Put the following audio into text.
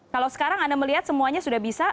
kalau sekarang anda melihat semuanya sudah bisa